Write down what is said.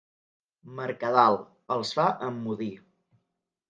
Mercadal, els fa emmudir.